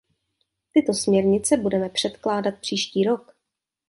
Tyto směrnice budeme předkládat příští rok.